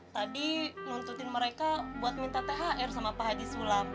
tadi nuntutin mereka buat minta thr sama pak haji sulap